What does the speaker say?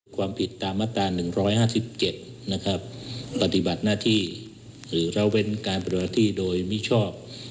ความผิดตามมาตรา๑๕๗นะครับปฏิบัติหน้าที่หรือละเว้นการปฏิบัติหน้าที่โดยมิชอบ